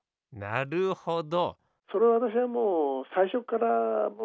なるほど！